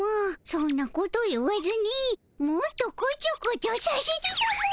そんなこと言わずにもっとこちょこちょさせてたも。